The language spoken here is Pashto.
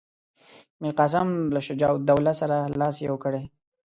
میرقاسم له شجاع الدوله سره لاس یو کړی.